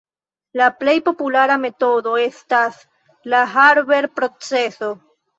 La plej populara metodo estas la Haber-proceso.